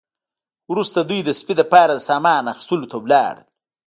وروسته دوی د سپي لپاره د سامان اخیستلو ته لاړل